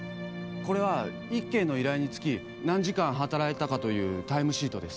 これは１件の依頼につき何時間働いたかというタイムシートです。